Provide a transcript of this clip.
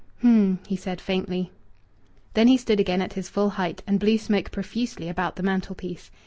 "Hm!" he said faintly. Then he stood again at his full height and blew smoke profusely about the mantelpiece.